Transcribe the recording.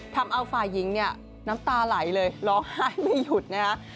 ทำเอาฝ่ายหญิงเนี่ยน้ำตาไหลเลยร้องไห้ไม่หยุดนะคะ